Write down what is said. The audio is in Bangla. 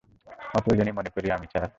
অপ্রয়োজনীয় মনে করি আমি, স্যার।